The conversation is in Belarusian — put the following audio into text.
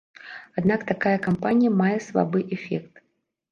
Аднак такая кампанія мае слабы эфект.